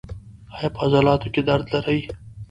ایا په عضلاتو کې درد لرئ؟